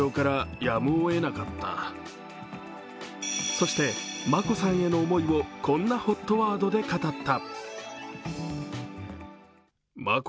そして眞子さんへの思いをこんなＨＯＴワードで語った。